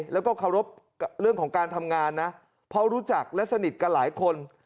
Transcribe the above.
แล้วก็เคารพเรื่องของการทำงานนะเพราะรู้จักและสนิทกับหลายคน